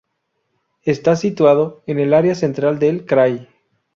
Está situado en el área central del krai.